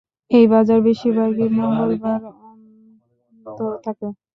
এই বাজার বেশিরভাগই মঙ্গলবার বন্ধ থাকে।